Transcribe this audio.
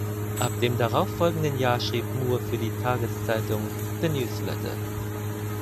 Ab dem darauffolgenden Jahr schrieb Moore für die Tageszeitung "The News Letter".